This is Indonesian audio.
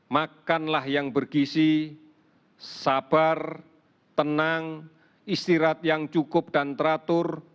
makanlah yang bergisi sabar tenang istirahat yang cukup dan teratur